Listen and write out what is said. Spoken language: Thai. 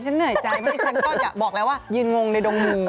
ฉันเหนื่อยใจฉันก็อย่าบอกแล้วว่ายืนงงในดงง